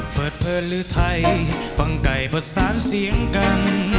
เปิดเผยลือไทยฟังไก่ประสานเสียงกัง